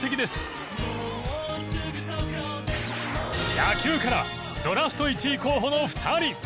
野球からはドラフト１位候補の２人。